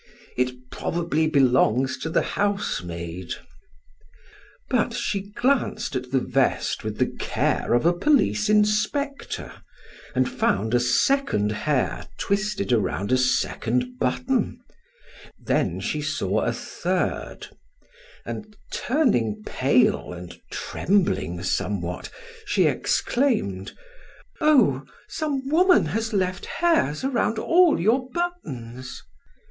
"It probably belongs to the housemaid." But she glanced at the vest with the care of a police inspector and found a second hair twisted around a second button; then she saw a third; and turning pale and trembling somewhat, she exclaimed: "Oh, some woman has left hairs around all your buttons."